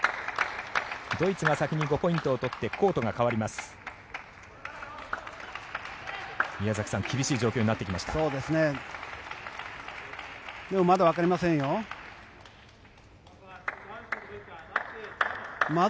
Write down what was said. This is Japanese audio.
ドイツが先に５ポイントを取ってコートが変わります。